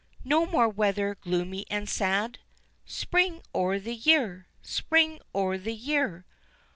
_" No more weather gloomy and sad, Spring o' the year! Spring o' the year!